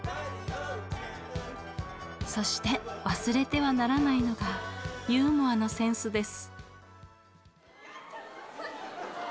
そして忘れてはならないのがユーモアのセンスです。